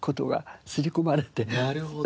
なるほど。